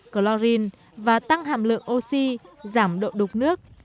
chlorine và tăng hạm lượng oxy giảm độ đục nước